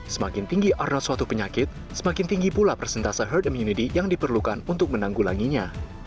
semakin tinggi karena suatu penyakit semakin tinggi pula persentase herd immunity yang diperlukan untuk menanggulanginya